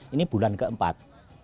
ini bulan keempat